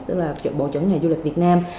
đó là bộ chủng nhà du lịch việt nam